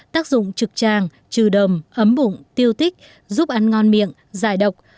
tác dụng trực tràng trừ đầm ấm bụng tiêu tích giúp ăn ngon miệng giải độc